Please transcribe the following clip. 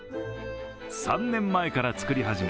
３年前から作り始め